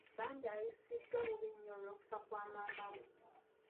Bambi ayisiddwa bubi nnyo olw’okufa kwa maama we.